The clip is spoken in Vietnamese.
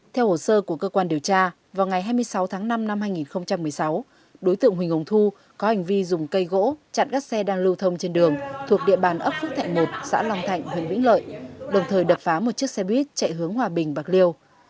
theo hồ sơ của cơ quan điều tra vào ngày hai mươi sáu tháng năm năm hai nghìn một mươi sáu đối tượng huỳnh hồng thu có hành vi dùng cây gỗ chặn các xe đang lưu thông trên đường thuộc địa bàn ấp phước thạnh một xã long thạnh huyện vĩnh lợi đồng thời đập phá một chiếc xe buýt chạy hướng hòa bình bạc liêu